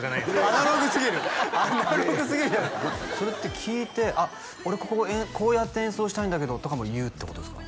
アナログすぎるアナログすぎるそれって聴いて「あっ俺こここうやって演奏したいんだけど」とかも言うってことですか？